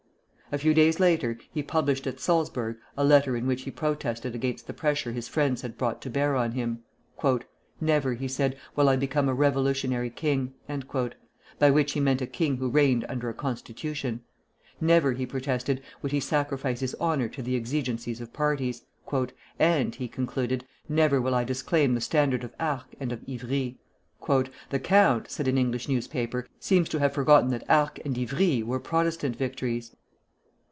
A few days later he published at Salzburg a letter in which he protested against the pressure his friends had brought to bear on him. "Never," he said, "will I become a revolutionary king," by which he meant a king who reigned under a constitution; never, he protested, would he sacrifice his honor to the exigencies of parties; "and," he concluded, "never will I disclaim the standard of Arques and of Ivry!" "The count," said an English newspaper, "seems to have forgotten that Arques and Ivry were Protestant victories."